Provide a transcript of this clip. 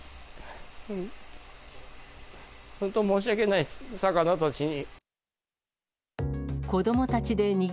本当、申し訳ないです、魚たちに。